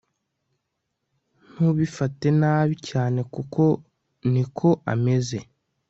Ntubifate nabi cyane kuko niko ameze